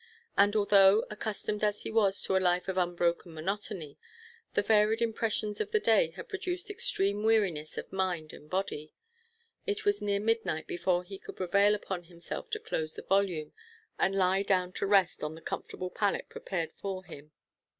And although, accustomed as he was to a life of unbroken monotony, the varied impressions of the day had produced extreme weariness of mind and body, it was near midnight before he could prevail upon himself to close the volume, and lie down to rest on the comfortable pallet prepared for him.